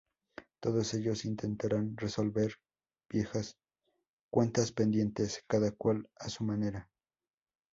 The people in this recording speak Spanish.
Todos ellos intentarán resolver viejas cuentas pendientes, cada cual a su manera.